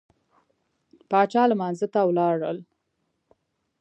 پاچا لمانځه ته ولاړل.